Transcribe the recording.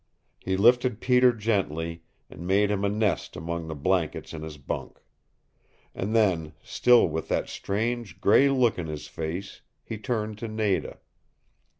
He lifted Peter gently, and made him a nest among the blankets in his bunk. And then, still with that strange, gray look in his face, he turned to Nada.